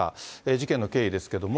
事件の経緯ですけども。